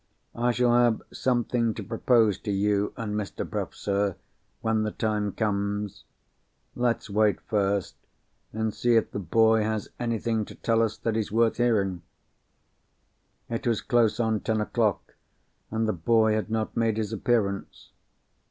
I shall have something to propose to you and Mr. Bruff, sir, when the time comes. Let's wait, first, and see if the boy has anything to tell us that is worth hearing." It was close on ten o'clock, and the boy had not made his appearance.